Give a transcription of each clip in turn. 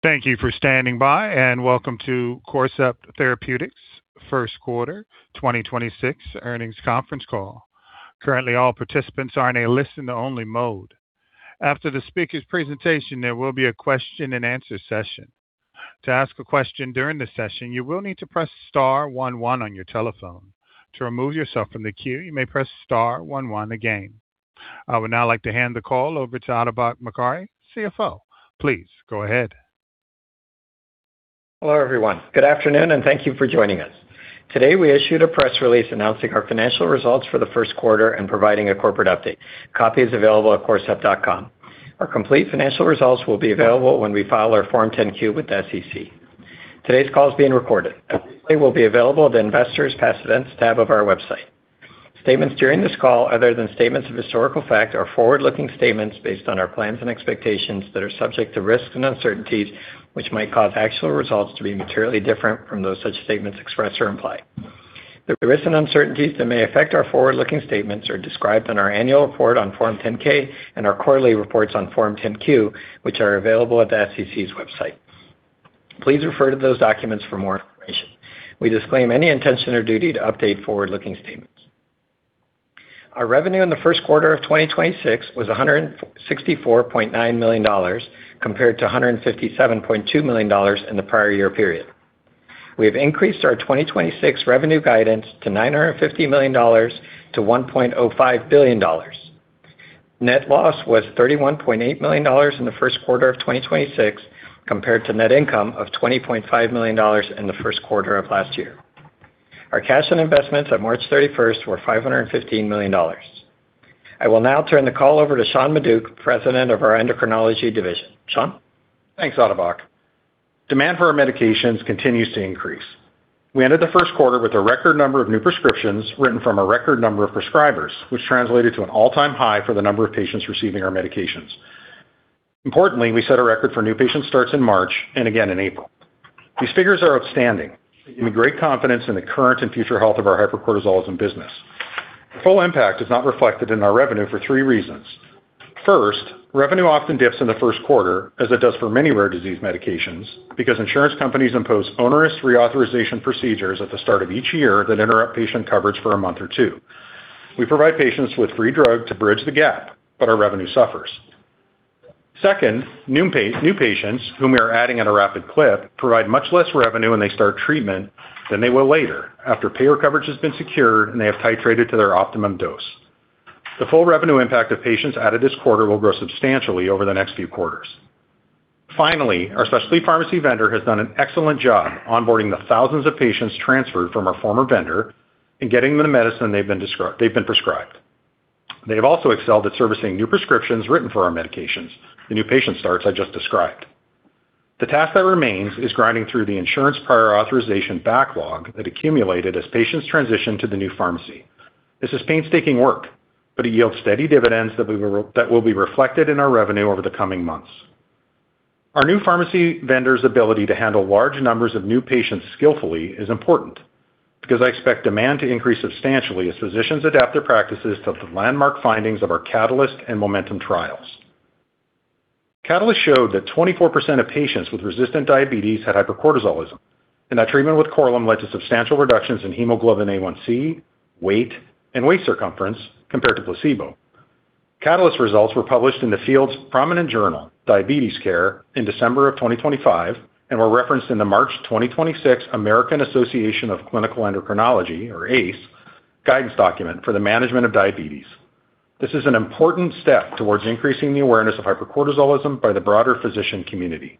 Thank you for standing by and welcome to Corcept Therapeutics Q1 2026 Earnings Conference Call. I would now like to hand the call over to Atabak Mokari, CFO. Please go ahead. Hello, everyone. Good afternoon, and thank you for joining us. Today, we issued a press release announcing our financial results for the Q1 and providing a corporate update. Copy is available at corcept.com. Our complete financial results will be available when we file our Form 10-Q with the SEC. Today's call is being recorded. A replay will be available at the Investors Past Events tab of our website. Statements during this call, other than statements of historical fact, are forward-looking statements based on our plans and expectations that are subject to risks and uncertainties, which might cause actual results to be materially different from those such statements express or imply. The risks and uncertainties that may affect our forward-looking statements are described in our annual report on Form 10-K and our quarterly reports on Form 10-Q, which are available at the SEC's website. Please refer to those documents for more information. We disclaim any intention or duty to update forward-looking statements. Our revenue in the Q1 of 2026 was $164.9 million compared to $157.2 million in the prior year period. We have increased our 2026 revenue guidance to $950 million-$1.05 billion. Net loss was $31.8 million in the Q1 of 2026 compared to net income of $20.5 million in the Q1 of last year. Our cash and investments on March 31st were $515 million. I will now turn the call over to Sean Maduck, President of our Endocrinology Division. Sean. Thanks, Atabak. Demand for our medications continues to increase. We ended the Q1 with a record number of new prescriptions written from a record number of prescribers, which translated to an all-time high for the number of patients receiving our medications. Importantly, we set a record for new patient starts in March and again in April. These figures are outstanding, giving great confidence in the current and future health of our hypercortisolism business. The full impact is not reflected in our revenue for three reasons. First, revenue often dips in the Q1, as it does for many rare disease medications, because insurance companies impose onerous reauthorization procedures at the start of each year that interrupt patient coverage for a month or two. We provide patients with free drug to bridge the gap, but our revenue suffers. Second, new patients, whom we are adding at a rapid clip, provide much less revenue when they start treatment than they will later, after payer coverage has been secured, and they have titrated to their optimum dose. The full revenue impact of patients added this quarter will grow substantially over the next few quarters. Finally, our specialty pharmacy vendor has done an excellent job onboarding the thousands of patients transferred from our former vendor and getting them the medicine they've been prescribed. They've also excelled at servicing new prescriptions written for our medications, the new patient starts I just described. The task that remains is grinding through the insurance prior authorization backlog that accumulated as patients transitioned to the new pharmacy. This is painstaking work, but it yields steady dividends that will be reflected in our revenue over the coming months. Our new pharmacy vendor's ability to handle large numbers of new patients skillfully is important because I expect demand to increase substantially as physicians adapt their practices to the landmark findings of our CATALYST and MOMENTUM trials. CATALYST showed that 24% of patients with resistant diabetes had hypercortisolism, and that treatment with Korlym led to substantial reductions in hemoglobin A1c, weight, and weight circumference compared to placebo. CATALYST results were published in the field's prominent journal, Diabetes Care, in December of 2025 and were referenced in the March 2026 American Association of Clinical Endocrinology, or ACE, guidance document for the management of diabetes. This is an important step towards increasing the awareness of hypercortisolism by the broader physician community.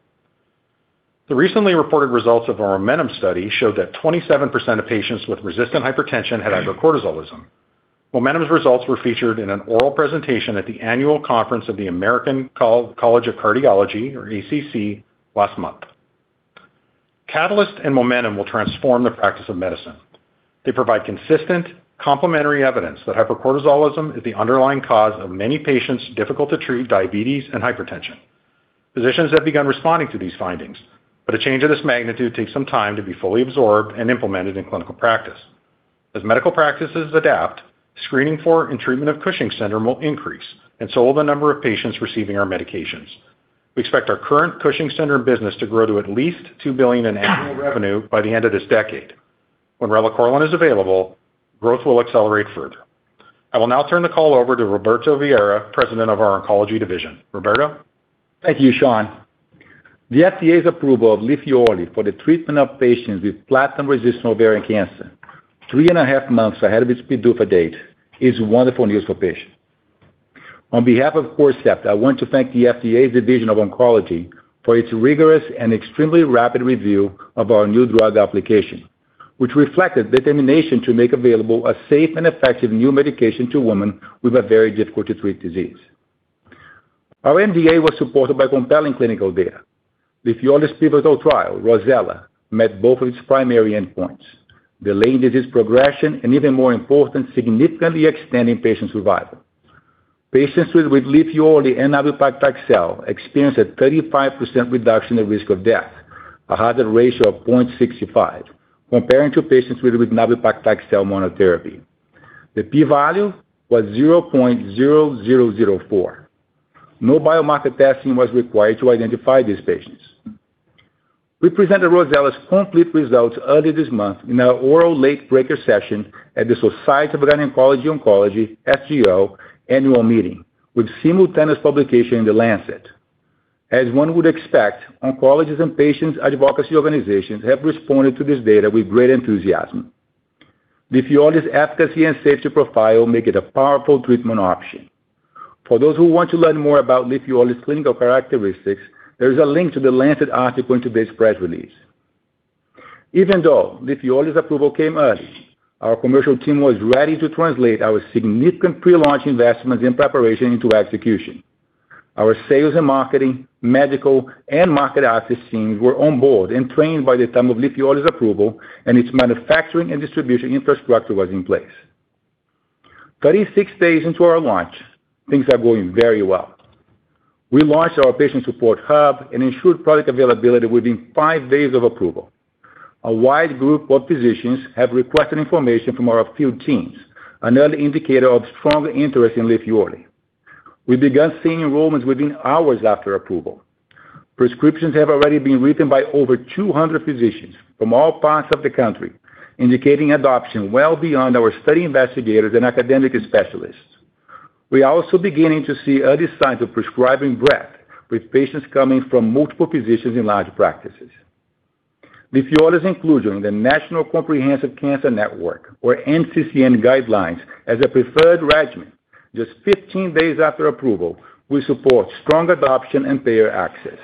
The recently reported results of our MOMENTUM study showed that 27% of patients with resistant hypertension had hypercortisolism. MOMENTUM's results were featured in an oral presentation at the annual conference of the American College of Cardiology, or ACC, last month. CATALYST and MOMENTUM will transform the practice of medicine. They provide consistent, complementary evidence that hypercortisolism is the underlying cause of many patients' difficult-to-treat diabetes and hypertension. Physicians have begun responding to these findings, but a change of this magnitude takes some time to be fully absorbed and implemented in clinical practice. As medical practices adapt, screening for and treatment of Cushing's syndrome will increase, and so will the number of patients receiving our medications. We expect our current Cushing's syndrome business to grow to at least $2 billion in annual revenue by the end of this decade. When relacorilant is available, growth will accelerate further. I will now turn the call over to Roberto Vieira, President of our Oncology Division. Roberto. Thank you, Sean. The FDA's approval of Lifyorli for the treatment of patients with platinum-resistant ovarian cancer 3.5 months ahead of its PDUFA date is wonderful news for patients. On behalf of Corcept, I want to thank the FDA's Division of Oncology for its rigorous and extremely rapid review of our new drug application, which reflected determination to make available a safe and effective new medication to women with a very difficult-to-treat disease. Our NDA was supported by compelling clinical data. Lifyorli's pivotal trial, ROSELLA, met both of its primary endpoints, delaying disease progression and, even more important, significantly extending patient survival. Patients treated with Lifyorli and nab-paclitaxel experienced a 35% reduction in risk of death, a hazard ratio of 0.65, comparing to patients treated with nab-paclitaxel monotherapy. The P value was 0.0004. No biomarker testing was required to identify these patients. We presented ROSELLA's complete results early this month in our oral late-breaker session at the Society of Gynecologic Oncology, SGO annual meeting with simultaneous publication in The Lancet. As one would expect, oncologists and patients advocacy organizations have responded to this data with great enthusiasm. Lifyorli's efficacy and safety profile make it a powerful treatment option. For those who want to learn more about Lifyorli's clinical characteristics, there is a link to The Lancet article in today's press release. Even though Lifyorli's approval came early, our commercial team was ready to translate our significant pre-launch investments in preparation into execution. Our sales and marketing, medical, and market access teams were on board and trained by the time of Lifyorli's approval and its manufacturing and distribution infrastructure was in place. 36 days into our launch, things are going very well. We launched our patient support hub and ensured product availability within five days of approval. A wide group of physicians have requested information from our field teams, an early indicator of strong interest in Lifyorli. We began seeing enrollments within hours after approval. Prescriptions have already been written by over 200 physicians from all parts of the country, indicating adoption well beyond our study investigators and academic specialists. We are also beginning to see early signs of prescribing breadth with patients coming from multiple physicians in large practices. Lifyorli's inclusion in the National Comprehensive Cancer Network, or NCCN guidelines as a preferred regimen just 15 days after approval will support strong adoption and payer access.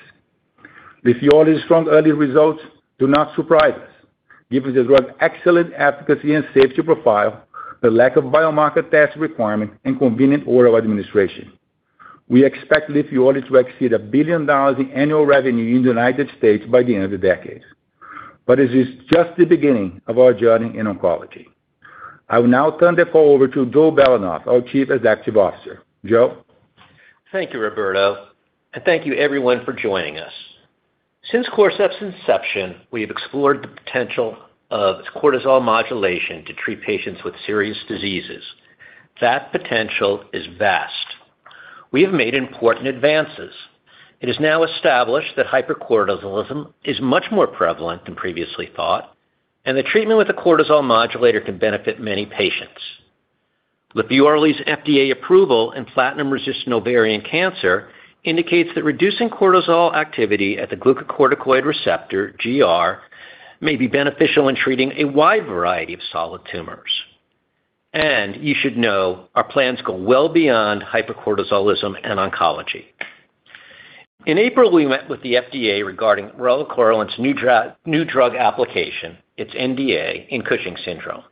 Lifyorli's strong early results do not surprise us, given the drug's excellent efficacy and safety profile, the lack of biomarker test requirement, and convenient oral administration. We expect Lifyorli to exceed $1 billion in annual revenue in the U.S. by the end of the decade. This is just the beginning of our journey in oncology. I will now turn the call over to Joe Belanoff, our Chief Executive Officer. Joe? Thank you, Roberto, and thank you everyone for joining us. Since Corcept's inception, we have explored the potential of cortisol modulation to treat patients with serious diseases. That potential is vast. We have made important advances. It is now established that hypercortisolism is much more prevalent than previously thought, and the treatment with a cortisol modulator can benefit many patients. Lifyorli's FDA approval in platinum-resistant ovarian cancer indicates that reducing cortisol activity at the glucocorticoid receptor, GR, may be beneficial in treating a wide variety of solid tumors. You should know our plans go well beyond hypercortisolism and oncology. In April, we met with the FDA regarding relacorilant's new drug application, its NDA, in Cushing's syndrome.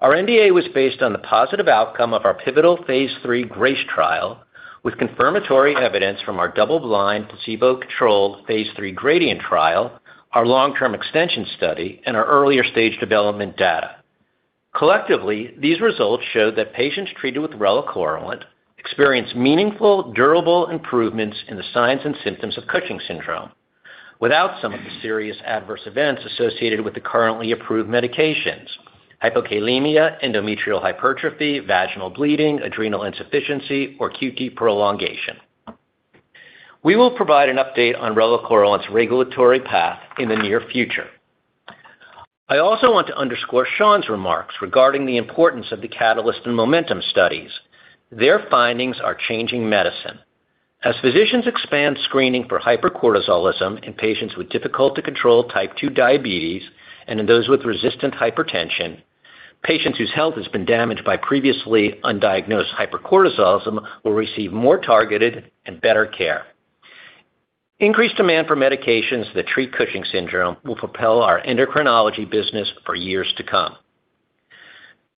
Our NDA was based on the positive outcome of our pivotal phase III GRACE trial with confirmatory evidence from our double-blind, placebo-controlled phase III GRADIENT trial, our long-term extension study, and our earlier stage development data. Collectively, these results showed that patients treated with relacorilant experienced meaningful, durable improvements in the signs and symptoms of Cushing's syndrome without some of the serious adverse events associated with the currently approved medications, hypokalemia, endometrial hypertrophy, vaginal bleeding, adrenal insufficiency, or QT prolongation. We will provide an update on relacorilant's regulatory path in the near future. I also want to underscore Sean's remarks regarding the importance of the Catalyst and Momentum studies. Their findings are changing medicine. As physicians expand screening for hypercortisolism in patients with difficult-to-control type 2 diabetes and in those with resistant hypertension, patients whose health has been damaged by previously undiagnosed hypercortisolism will receive more targeted and better care. Increased demand for medications that treat Cushing's syndrome will propel our endocrinology business for years to come.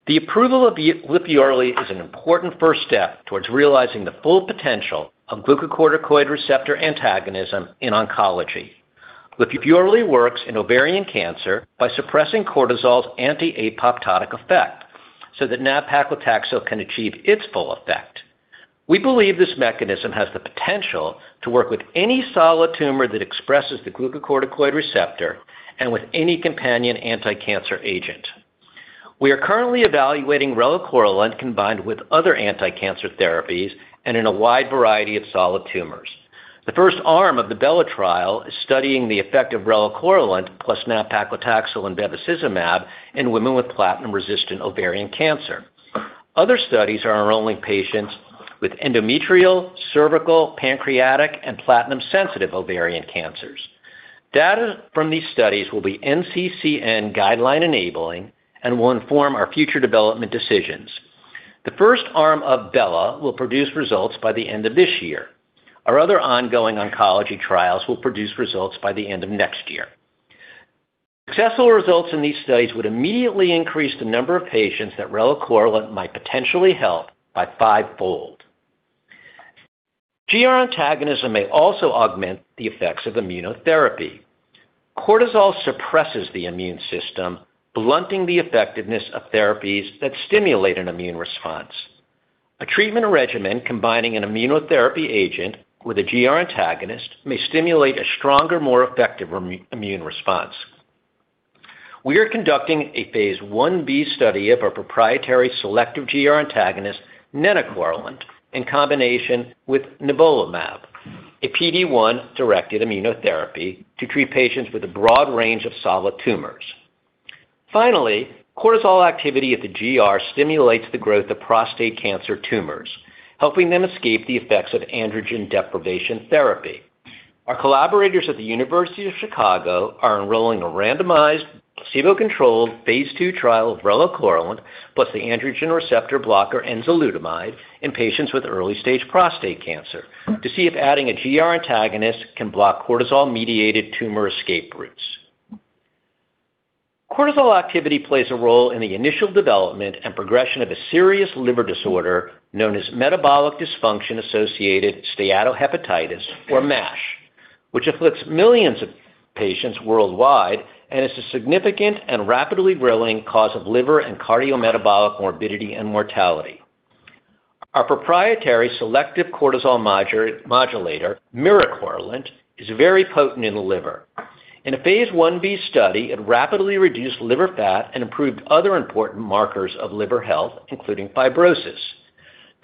The approval of Lifyorli is an important first step towards realizing the full potential of glucocorticoid receptor antagonism in oncology. Lifyorli works in ovarian cancer by suppressing cortisol's anti-apoptotic effect so that nab-paclitaxel can achieve its full effect. We believe this mechanism has the potential to work with any solid tumor that expresses the glucocorticoid receptor and with any companion anticancer agent. We are currently evaluating relacorilant combined with other anticancer therapies and in a wide variety of solid tumors. The first arm of the BELLA trial is studying the effect of relacorilant plus nab-paclitaxel and bevacizumab in women with platinum-resistant ovarian cancer. Other studies are enrolling patients with endometrial, cervical, pancreatic, and platinum-sensitive ovarian cancers. Data from these studies will be NCCN guideline-enabling and will inform our future development decisions. The first arm of BELLA will produce results by the end of this year. Our other ongoing oncology trials will produce results by the end of next year. Successful results in these studies would immediately increase the number of patients that relacorilant might potentially help by fivefold. GR antagonism may also augment the effects of immunotherapy. Cortisol suppresses the immune system, blunting the effectiveness of therapies that stimulate an immune response. A treatment regimen combining an immunotherapy agent with a GR antagonist may stimulate a stronger, more effective immune response. We are conducting a phase I-B study of our proprietary selective GR antagonist, nenocorilant, in combination with nivolumab, a PD-1-directed immunotherapy to treat patients with a broad range of solid tumors. Cortisol activity at the GR stimulates the growth of prostate cancer tumors, helping them escape the effects of androgen deprivation therapy. Our collaborators at the University of Chicago are enrolling a randomized, placebo-controlled phase II trial of relacorilant plus the androgen receptor blocker enzalutamide in patients with early-stage prostate cancer to see if adding a GR antagonist can block cortisol-mediated tumor escape routes. Cortisol activity plays a role in the initial development and progression of a serious liver disorder known as metabolic dysfunction-associated steatohepatitis, or MASH, which afflicts millions of patients worldwide and is a significant and rapidly growing cause of liver and cardiometabolic morbidity and mortality. Our proprietary selective cortisol modulator, miricorilant, is very potent in the liver. In a phase I-B study, it rapidly reduced liver fat and improved other important markers of liver health, including fibrosis.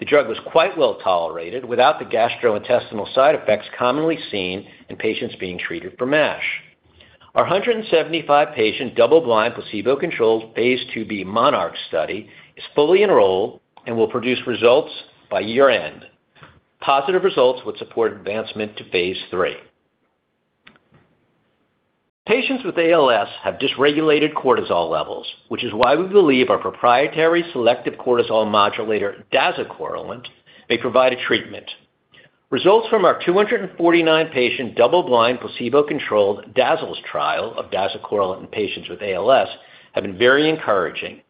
The drug was quite well-tolerated without the gastrointestinal side effects commonly seen in patients being treated for MASH. Our 175-patient, double-blind, placebo-controlled phase IIb MONARCH study is fully enrolled and will produce results by year-end. Positive results would support advancement to phase III. Patients with ALS have dysregulated cortisol levels, which is why we believe our proprietary selective cortisol modulator, dazucorilant, may provide a treatment. Results from our 249-patient, double-blind, placebo-controlled DAZALS trial of dazucorilant in patients with ALS have been very encouraging.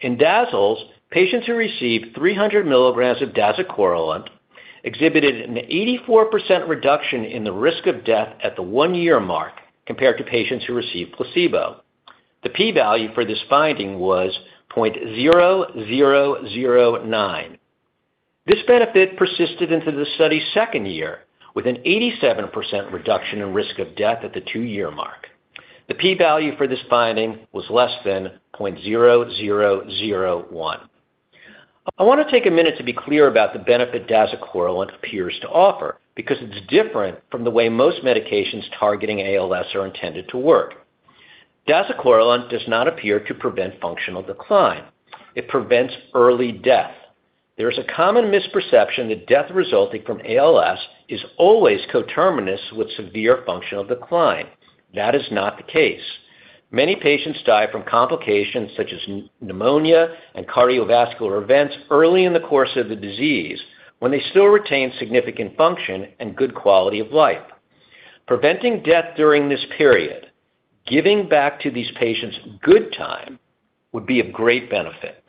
In DAZALS, patients who received 300 mg of dazucorilant exhibited an 84% reduction in the risk of death at the one year mark compared to patients who received placebo. The p-value for this finding was 0.0009. This benefit persisted into the study's second year with an 87% reduction in risk of death at the two year mark. The p-value for this finding was less than 0.0001. I wanna take a minute to be clear about the benefit dazucorilant appears to offer because it's different from the way most medications targeting ALS are intended to work. dazucorilant does not appear to prevent functional decline. It prevents early death. There is a common misperception that death resulting from ALS is always coterminous with severe functional decline. That is not the case. Many patients die from complications such as pneumonia and cardiovascular events early in the course of the disease when they still retain significant function and good quality of life. Preventing death during this period, giving back to these patients good time, would be of great benefit.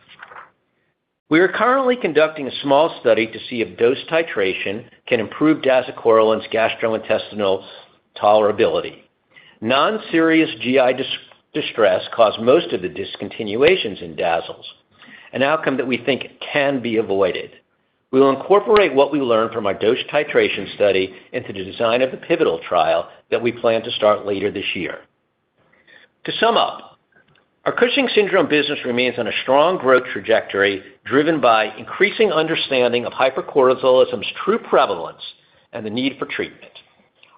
We are currently conducting a small study to see if dose titration can improve dazucorilant's gastrointestinal tolerability. Non-serious GI distress caused most of the discontinuations in DAZALS, an outcome that we think can be avoided. We will incorporate what we learn from our dose titration study into the design of the pivotal trial that we plan to start later this year. To sum up, our Cushing's syndrome business remains on a strong growth trajectory driven by increasing understanding of hypercortisolism's true prevalence and the need for treatment.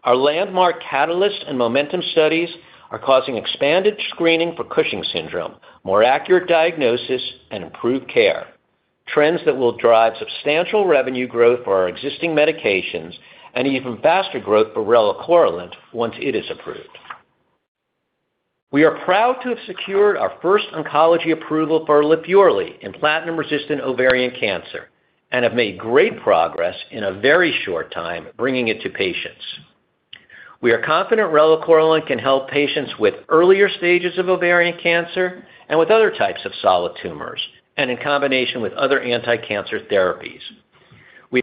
Our landmark CATALYST and MOMENTUM studies are causing expanded screening for Cushing's syndrome, more accurate diagnosis, and improved care, trends that will drive substantial revenue growth for our existing medications and even faster growth for relacorilant once it is approved. We are proud to have secured our first oncology approval for Lifyorli in platinum-resistant ovarian cancer and have made great progress in a very short time bringing it to patients. We are confident relacorilant can help patients with earlier stages of ovarian cancer and with other types of solid tumors and in combination with other anti-cancer therapies.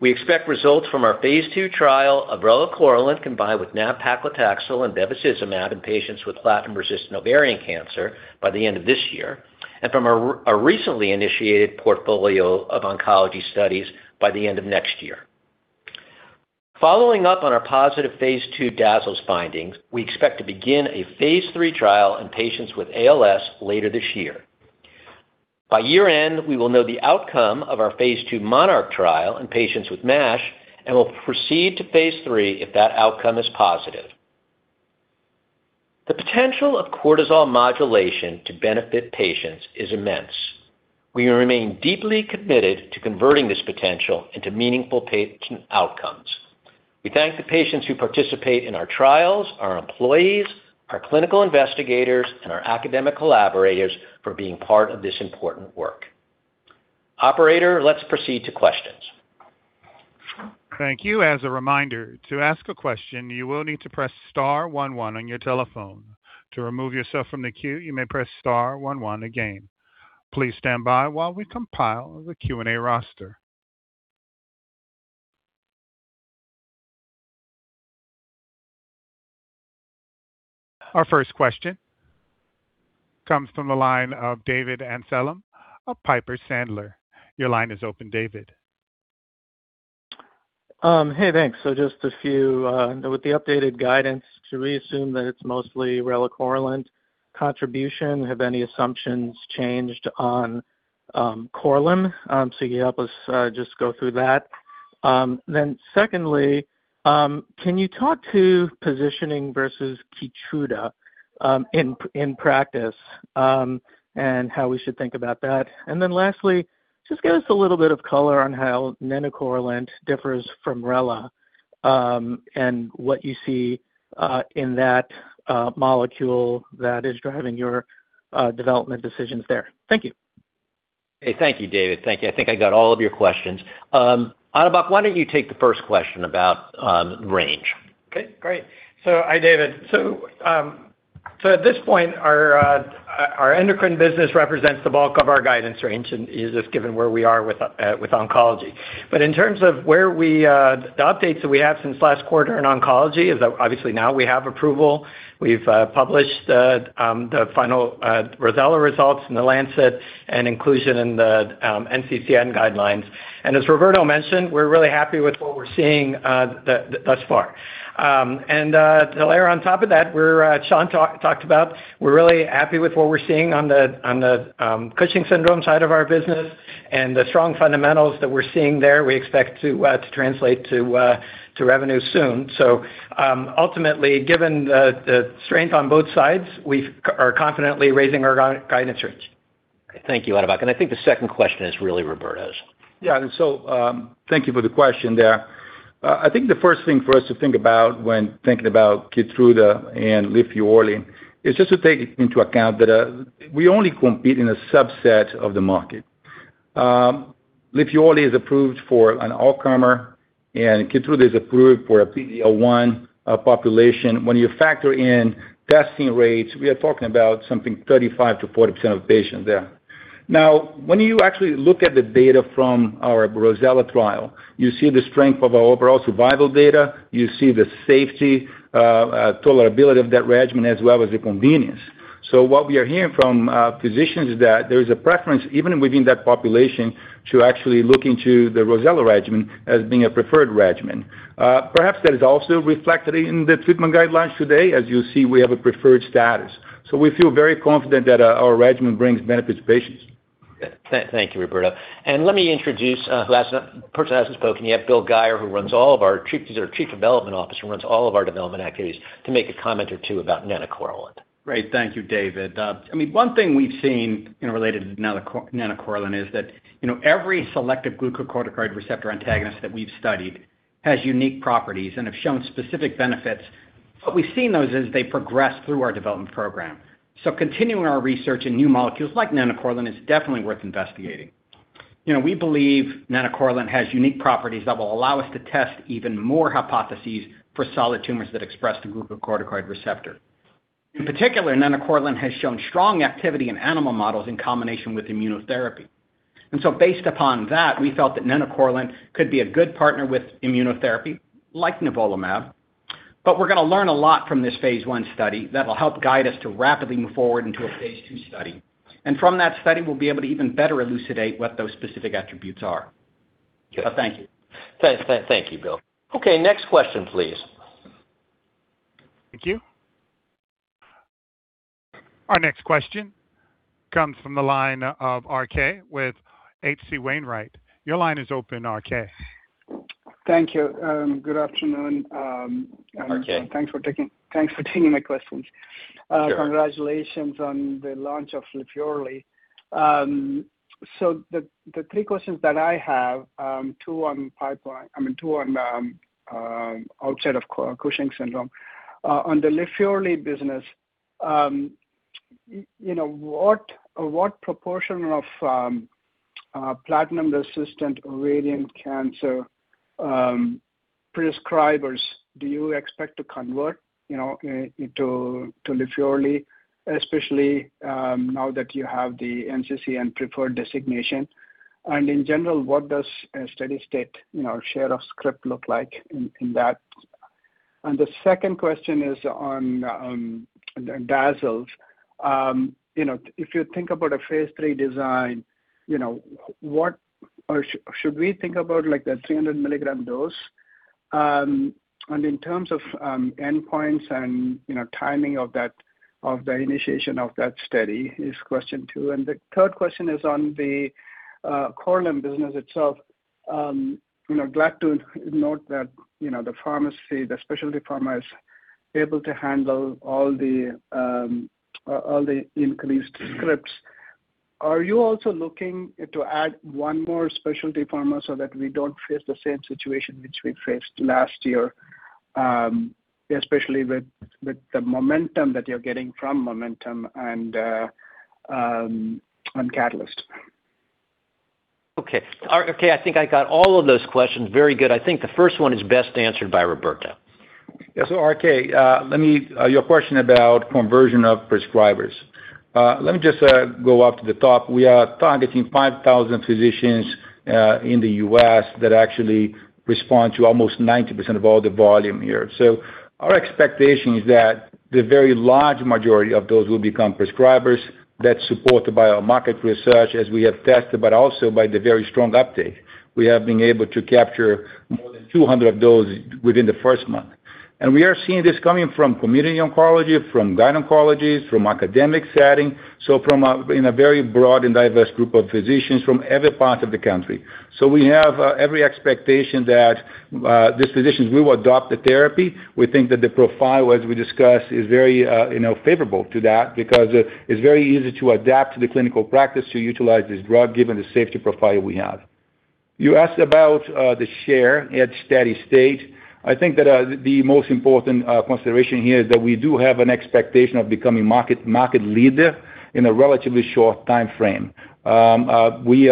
We expect results from our phase II trial of relacorilant combined with nab-paclitaxel and bevacizumab in patients with platinum-resistant ovarian cancer by the end of this year and from a recently initiated portfolio of oncology studies by the end of next year. Following up on our positive phase II DAZALS findings, we expect to begin a phase III trial in patients with ALS later this year. By year-end, we will know the outcome of our phase II MONARCH trial in patients with MASH and will proceed to phase III if that outcome is positive. The potential of cortisol modulation to benefit patients is immense. We remain deeply committed to converting this potential into meaningful patient outcomes. We thank the patients who participate in our trials, our employees, our clinical investigators, and our academic collaborators for being part of this important work. Operator, let's proceed to questions. Thank you. As a reminder, to ask a question, you will need to press star one one on your telephone. To remove yourself from the queue, you may press star one one again. Please stand by while we compile the Q&A roster. Our first question comes from the line of David Amsellem of Piper Sandler. Your line is open, David. Hey, thanks. Just a few, with the updated guidance, should we assume that it's mostly relacorilant contribution? Have any assumptions changed on Korlym? You help us just go through that. Secondly, can you talk to positioning versus Keytruda in practice, and how we should think about that. Lastly, just give us a little bit of color on how nenocorilant differs from relacorilant, and what you see in that molecule that is driving your development decisions there. Thank you. Hey, thank you, David. Thank you. I think I got all of your questions. Atabak, why don't you take the first question about range? Okay, great. So hi, David Amsellem. At this point, our endocrine business represents the bulk of our guidance range and is just given where we are with oncology. In terms of where we, the updates that we have since last quarter in oncology is that obviously now we have approval. We've published the final ROSELLA results in The Lancet and inclusion in the NCCN guidelines. As Roberto Vieira mentioned, we're really happy with what we're seeing thus far. To layer on top of that, Sean talked about, we're really happy with what we're seeing on the Cushing's syndrome side of our business and the strong fundamentals that we're seeing there, we expect to translate to revenue soon. Ultimately, given the strength on both sides, we are confidently raising our guidance range. Thank you, Atabak. I think the second question is really Roberto's. Yeah. Thank you for the question there. I think the first thing for us to think about when thinking about Keytruda and Lifyorli is just to take into account that we only compete in a subset of the market. Lifyorli is approved for an all-comer, and Keytruda is approved for a PD-L1 population. When you factor in testing rates, we are talking about something 35%-40% of patients there. Now, when you actually look at the data from our ROSELLA trial, you see the strength of our overall survival data, you see the safety, tolerability of that regimen, as well as the convenience. What we are hearing from physicians is that there is a preference, even within that population, to actually look into the ROSELLA regimen as being a preferred regimen. Perhaps that is also reflected in the treatment guidelines today. As you see, we have a preferred status. We feel very confident that our regimen brings benefits to patients. Good. Thank you, Roberto. Let me introduce the last person who hasn't spoken yet, Bill Guyer, he's our Chief Development Officer, who runs all of our development activities, to make a comment or two about nenocorilant. Great. Thank you, David Amsellem. I mean, one thing we've seen, you know, related to nenocorilant is that, you know, every selective glucocorticoid receptor antagonist that we've studied has unique properties and have shown specific benefits. But we've seen those as they progress through our development program. So continuing our research in new molecules like nenocorilant is definitely worth investigating. You know, we believe nenocorilant has unique properties that will allow us to test even more hypotheses for solid tumors that express the glucocorticoid receptor. In particular, nenocorilant has shown strong activity in animal models in combination with immunotherapy. Based upon that, we felt that nenocorilant could be a good partner with immunotherapy like Nivolumab. But we're gonna learn a lot from this phase I study that will help guide us to rapidly move forward into a phase II study. From that study, we'll be able to even better elucidate what those specific attributes are. Yeah. Thank you. Thank you, Bill. Okay, next question, please. Thank you. Our next question comes from the line of RK with H.C. Wainwright. Your line is open, RK. Thank you. Good afternoon. RK. Thanks for taking my questions. Sure. Congratulations on the launch of Lifyorli. The three questions that I have, two on pipeline, I mean, two on, outside of Cushing's syndrome. On the Lifyorli business, you know, what proportion of platinum-resistant ovarian cancer prescribers do you expect to convert, you know, to Lifyorli, especially, now that you have the NCCN preferred designation? In general, what does a steady-state, you know, share of script look like in that? The second question is on DAZALS. You know, if you think about a phase III design, you know, should we think about, like, the 300 mg dose? In terms of endpoints and, you know, timing of that, of the initiation of that study is question two. The third question is on the Korlym business itself. You know, glad to note that, you know, the pharmacy, the specialty pharma is able to handle all the increased scripts. Are you also looking to add one more specialty pharma so that we don't face the same situation which we faced last year, especially with the momentum that you're getting from MOMENTUM and on CATALYST? Okay. RK, I think I got all of those questions. Very good. I think the first one is best answered by Roberto. RK, your question about conversion of prescribers. Let me just go up to the top. We are targeting 5,000 physicians in the U.S. that actually respond to almost 90% of all the volume here. Our expectation is that the very large majority of those will become prescribers. That's supported by our market research as we have tested, but also by the very strong uptake. We have been able to capture more than 200 of those within the first month. We are seeing this coming from community oncology, from gyn oncologies, from academic setting, in a very broad and diverse group of physicians from every part of the country. We have every expectation that these physicians will adopt the therapy. We think that the profile, as we discussed, is very, you know, favorable to that because it's very easy to adapt to the clinical practice to utilize this drug given the safety profile we have. You asked about the share at steady state. I think that the most important consideration here is that we do have an expectation of becoming market leader in a relatively short timeframe. We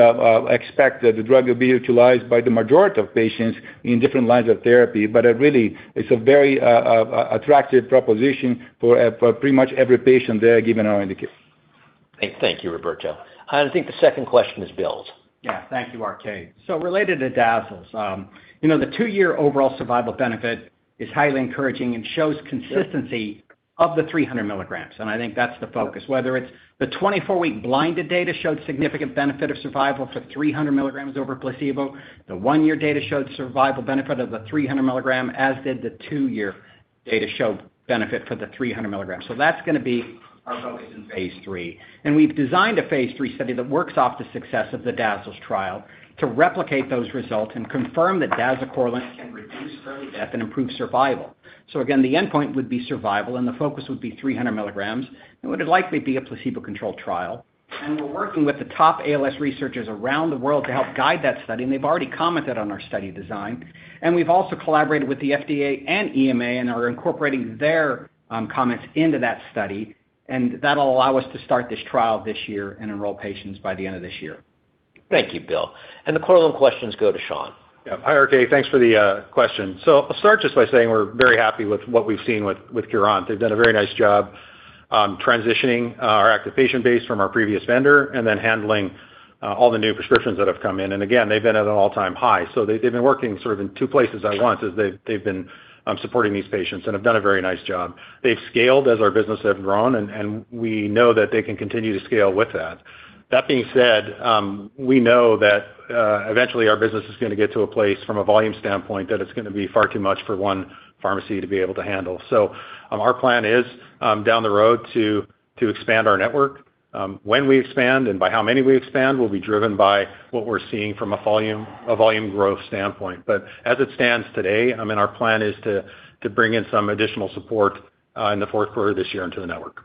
expect that the drug will be utilized by the majority of patients in different lines of therapy, but it really is a very attractive proposition for pretty much every patient there, given our indication. Thank you, Roberto. I think the second question is Bill's. Yeah. Thank you, RK. Related to DAZALS, you know, the two-year overall survival benefit is highly encouraging and shows consistency of the 300 mg, I think that's the focus. Whether it's the 24-week blinded data showed significant benefit of survival for 300 mg over placebo. The one-year data showed survival benefit of the 300 mg, as did the two-year data show benefit for the 300 mg. That's gonna be our focus in phase III. We've designed a phase III study that works off the success of the DAZALS trial to replicate those results and confirm that dazucorilant can reduce early death and improve survival. Again, the endpoint would be survival, and the focus would be 300 mg, and it would likely be a placebo-controlled trial. We're working with the top ALS researchers around the world to help guide that study, and they've already commented on our study design. We've also collaborated with the FDA and EMA and are incorporating their comments into that study. That'll allow us to start this trial this year and enroll patients by the end of this year. Thank you, Bill. The corollary questions go to Sean. Yeah. Hi, RK. Thanks for the question. I'll start just by saying we're very happy with what we've seen with Curadh. They've done a very nice job transitioning our active patient base from our previous vendor and then handling all the new prescriptions that have come in. Again, they've been at an all-time high. They've been working sort of in two places at once as they've been supporting these patients and have done a very nice job. They've scaled as our business has grown, and we know that they can continue to scale with that. That being said, we know that eventually our business is gonna get to a place from a volume standpoint that it's gonna be far too much for one pharmacy to be able to handle. Our plan is down the road to expand our network. When we expand and by how many we expand will be driven by what we're seeing from a volume growth standpoint. As it stands today, I mean, our plan is to bring in some additional support in the fourth quarter of this year into the network.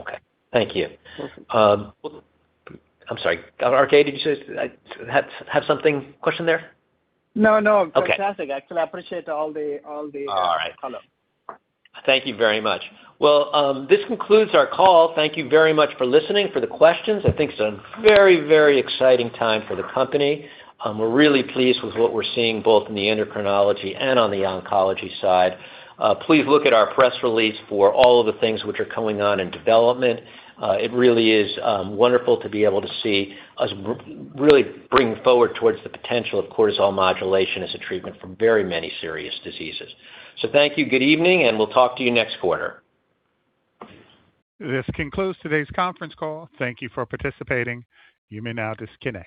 Okay. Thank you. I'm sorry. RK, did you say? Have something? Question there? No, no. Okay. Fantastic. I actually appreciate all the. All right. ...color. Thank you very much. This concludes our call. Thank you very much for listening, for the questions. I think it's a very, very exciting time for the company. We're really pleased with what we're seeing both in the endocrinology and on the oncology side. Please look at our press release for all of the things which are coming on in development. It really is wonderful to be able to see us really bring forward towards the potential of cortisol modulation as a treatment for very many serious diseases. Thank you. Good evening, and we'll talk to you next quarter. This concludes today's conference call. Thank you for participating. You may now disconnect.